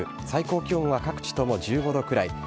最高気温は各地とも１５度くらい。